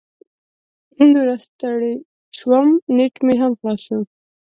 نوره ستړې شوم، نیټ مې هم خلاص شو.